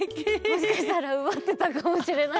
もしかしたらうばってたかもしれない。